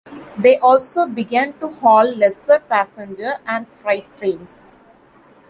They also began to haul lesser passenger and freight trains.